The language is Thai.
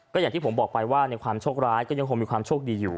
ก็อย่างที่ผมบอกไปว่าในความโชคร้ายก็ยังคงมีความโชคดีอยู่